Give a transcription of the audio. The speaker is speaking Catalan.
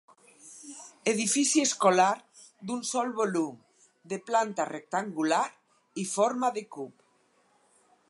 Edifici escolar d'un sol volum de planta rectangular i forma de cub.